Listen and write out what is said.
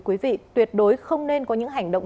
quý vị tuyệt đối không nên có những hành động